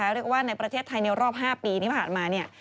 เรียกว่าในประเทศไทยในรอบ๕ปีที่ผ่านมา